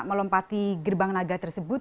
melompati gerbang naga tersebut